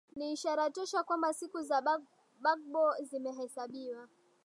ni ishara tosha kwamba siku za bagbo zime hesabiwa